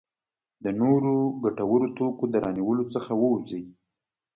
د نورو ګټورو توکو د رانیولو څخه ووځي.